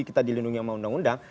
kita dilindungi sama undang undang